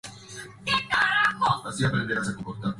Actual director de la Asociación Colombiana del Petróleo.